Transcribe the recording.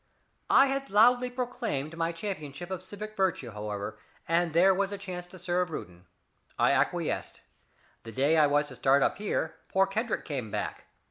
"I had loudly proclaimed my championship of civic virtue, however, and here was a chance to serve Reuton. I acquiesced. The day I was to start up here, poor Kendrick came back.